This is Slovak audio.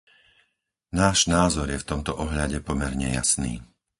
Náš názor je v tomto ohľade pomerne jasný.